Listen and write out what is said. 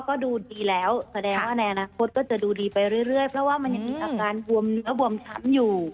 ก็ดูดีแล้วแสดงว่าในอนาคตก็จะดูดีไปเรื่อยเพราะว่ามันยังมีอาการบวมเนื้อบวมช้ำอยู่